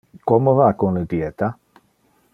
Como va con le dieta?